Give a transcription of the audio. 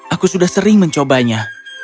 aku sudah sering mencobanya